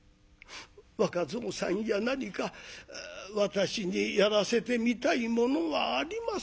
若蔵さんや何か私にやらせてみたいものはありませんかな」。